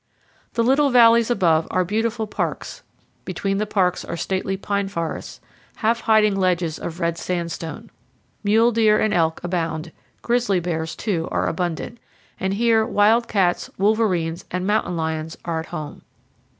The little valleys above are beautiful parks; between the parks are stately pine forests, half hiding ledges of red sandstone. Mule deer and elk abound; grizzly bears, too, are abundant; and here wild cats, wolverines, and mountain lions are at home.